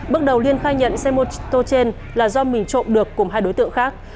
bước đầu liên khai nhận xe mô tô trên là do mình trộm được cùng hai đối tượng khác